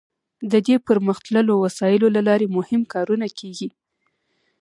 د دې پرمختللو وسایلو له لارې مهم کارونه کیږي.